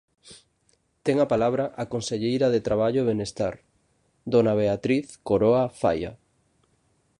Ten a palabra a conselleira de Traballo e Benestar, dona Beatriz Coroa Faia.